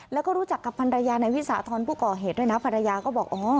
แล้วก็รู้จักกับภรรยานายวิสาธรณ์ผู้ก่อเหตุด้วยนะภรรยาก็บอกอ๋อ